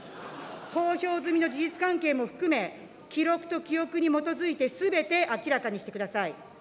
公表済みの事実関係も含め、記録と記憶に基づいてすべて明らかにしてください。